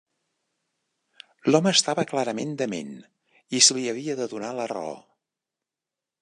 L'home estava clarament dement i se li havia de donar la raó.